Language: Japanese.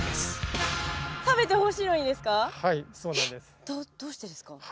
えっどうしてですか？